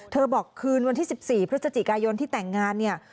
เธอบอกวัน๑๔พศจิกายนที่แต่งงานเนี่ย